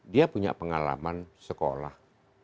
dia punya pengalaman sekolah